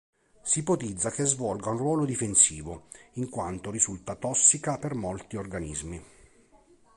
Si ipotizza che svolga un ruolo difensivo, in quanto risulta tossica per molti organismi.